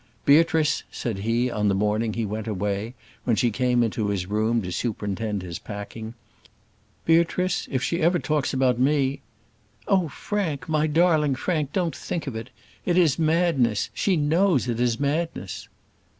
"Beatrice," said he, on the morning he went away, when she came into his room to superintend his packing "Beatrice, if she ever talks about me " "Oh, Frank, my darling Frank, don't think of it it is madness; she knows it is madness."